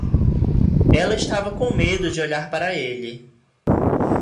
Ela estava com medo de olhar para ele.